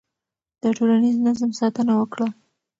د ټولنیز نظم ساتنه وکړه.